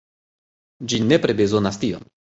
Ĝi nepre bezonas tion.